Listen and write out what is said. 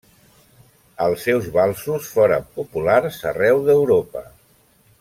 Els seus valsos foren populars arreu d'Europa.